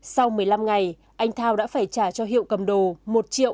sau một mươi năm ngày anh thao đã phải trả cho hiệu cầm đồ một triệu năm mươi đồng tiền lãi